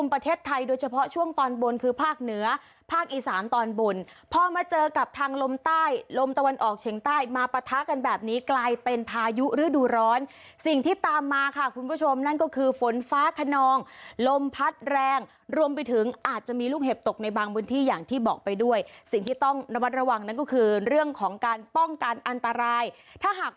ประเทศไทยโดยเฉพาะช่วงตอนบนคือภาคเหนือภาคอีสานตอนบนพอมาเจอกับทางลมใต้ลมตะวันออกเฉียงใต้มาปะทะกันแบบนี้กลายเป็นพายุฤดูร้อนสิ่งที่ตามมาค่ะคุณผู้ชมนั่นก็คือฝนฟ้าขนองลมพัดแรงรวมไปถึงอาจจะมีลูกเห็บตกในบางพื้นที่อย่างที่บอกไปด้วยสิ่งที่ต้องระมัดระวังนั่นก็คือเรื่องของการป้องกันอันตรายถ้าหาก